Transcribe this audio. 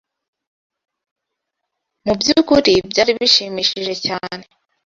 Mu byukuri byari bishimishije cyane.